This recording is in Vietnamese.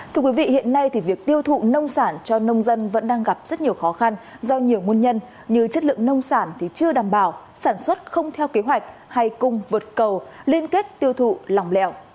thưa quý vị hiện nay thì việc tiêu thụ nông sản cho nông dân vẫn đang gặp rất nhiều khó khăn do nhiều nguồn nhân như chất lượng nông sản thì chưa đảm bảo sản xuất không theo kế hoạch hay cung vượt cầu liên kết tiêu thụ lòng lẻo